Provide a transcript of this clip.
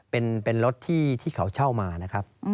เป็นรถที่เขาเช่ามานะครับ